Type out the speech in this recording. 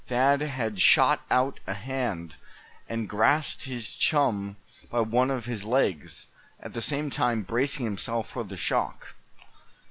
Thad had shot out a hand, and grasped his chum by one of his legs, at the same time bracing himself for the shock.